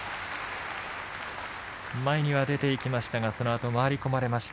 前には出てきましたがそのあと回り込まれました。